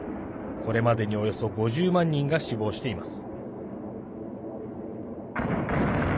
これまでにおよそ５０万人が死亡しています。